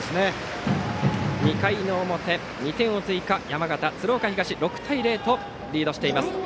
２回表、２点追加山形・鶴岡東６対０とリードしています。